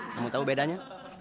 kamu tau bedanya